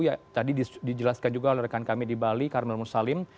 ya tadi dijelaskan juga oleh rekan kami di bali karmel mursalim